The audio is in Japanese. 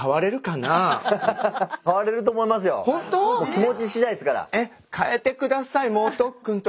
気持ちしだいですから。